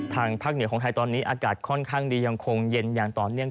ทางภาคเหนือของไทยตอนนี้อากาศค่อนข้างดียังคงเย็นอย่างต่อเนื่อง